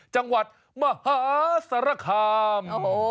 จังหวัดมหาสารคาม